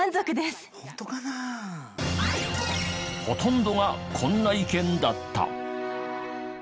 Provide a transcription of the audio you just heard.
ほとんどがこんな意見だった。